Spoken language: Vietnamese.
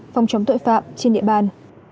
phòng chống tội phạm trên địa bàn